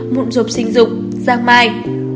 mụn rộp sinh dục giang mai